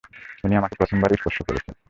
উনি আমাকে প্রথমবার স্পর্শ করেছেন।